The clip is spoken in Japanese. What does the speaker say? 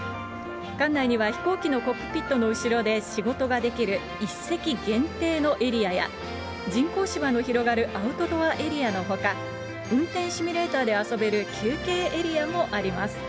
館内には、飛行機のコックピットの後ろで仕事ができる一席限定のエリアや、人工芝の広がるアウトドアエリアのほか、運転シミュレーターで遊べる休憩エリアもあります。